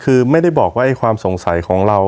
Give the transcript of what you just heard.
คือไม่ได้บอกว่าความสงสัยของเรา